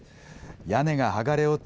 屋根が剥がれ落ち